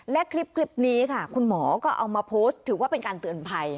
และคลิปนี้ค่ะคุณหมอก็เอามาโพสต์ถือว่าเป็นการเตือนภัย